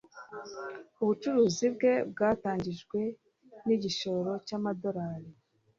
Ubucuruzi bwe bwatangijwe nigishoro cyamadorari